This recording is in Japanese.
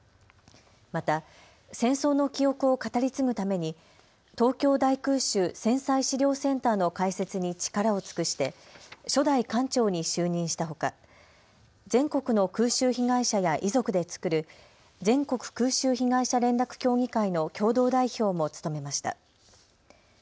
また戦争の記憶を語り継ぐために東京大空襲・戦災資料センターの開設に力を尽くして初代館長に就任したほか全国の空襲被害者や遺族で作る全国空襲被害者連絡協議会の共同代表も務めました。